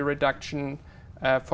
khá đặc biệt